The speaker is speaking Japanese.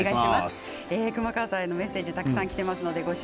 熊川さんへのメッセージたくさんきています。